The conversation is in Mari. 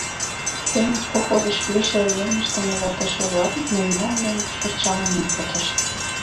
Теҥыз походыш лишыл еҥыштым ужатыше-влак мӧҥган-мӧҥгышкышт шаланен пытышт.